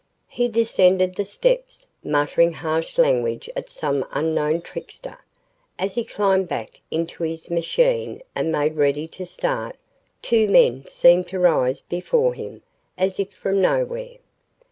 He descended the steps, muttering harsh language at some unknown trickster. As he climbed back into his machine and made ready to start, two men seemed to rise before him, as if from nowhere.